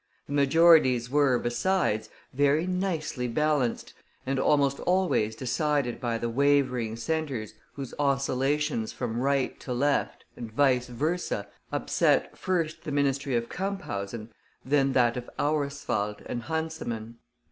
The majorities were, besides, very nicely balanced, and almost always decided by the wavering centers whose oscillations from right to left, and vice versa, upset, first the ministry of Camphausen, then that of Auerswald and Hansemann.